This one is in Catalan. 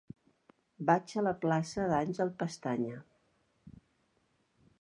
Vaig a la plaça d'Àngel Pestaña.